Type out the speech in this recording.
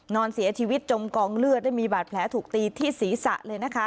นอนเสียชีวิตจมกองเลือดได้มีบาดแผลถูกตีที่ศีรษะเลยนะคะ